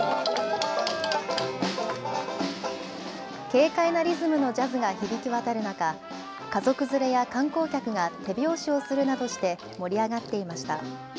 軽快なリズムのジャズが響き渡る中、家族連れや観光客が手拍子をするなどして盛り上がっていました。